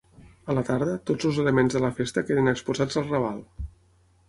A la tarda, tots els elements de la festa queden exposats al Raval.